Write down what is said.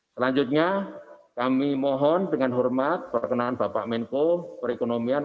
selanjutnya kami mohon dengan hormat perkenan bapak menko perekonomian